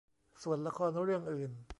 ส่วนละครเรื่องอื่น